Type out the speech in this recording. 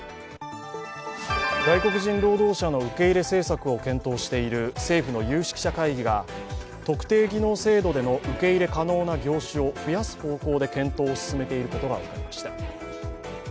外国人労働者の受け入れ政策を検討している政府の有識者会議が特定技能制度での受け入れ可能な業種を増やす方向で検討を進めていることが分かりました。